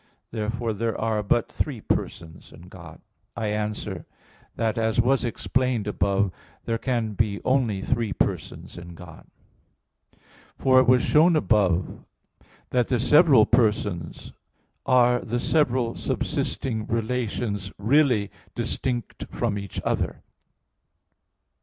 Therefore there are but three persons in God. I answer that, As was explained above, there can be only three persons in God. For it was shown above that the several persons are the several subsisting relations really distinct from each other.